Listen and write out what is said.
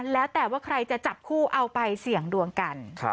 แล้วแต่ว่าใครจะจับคู่เอาไปเสี่ยงดวงกัน